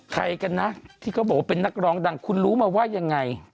ใครกันนะที่เขาบอกว่าเป็นนักร้องดังคุณรู้มาว่ายังไง